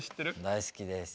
大好きです。